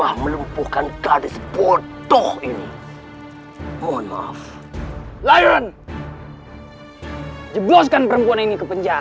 aku tidak mau berurusan dengan wanita